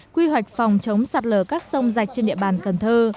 quy hoạch phòng chống sạt lở các sông rạch trên địa bàn cần thơ